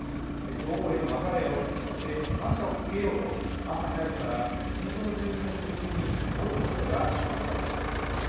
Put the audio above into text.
女王への別れをそして感謝を告げようと朝早くから地元の住民を中心に多くの人が集まりました。